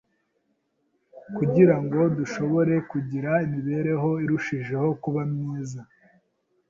kugira ngo dushobore kugira imibereho irushijeho kuba myiza